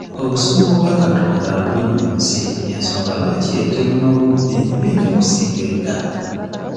Obusungu bwa Katonda buli mu nsi y'ensonga lwaki ettemu n'obubbi bingi okusinga edda.